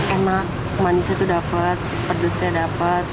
enak manisnya tuh dapet pedusnya dapet